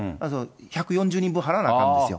１４０人分払わなあかんのですよ。